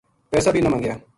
پیسا بے نہ منگیا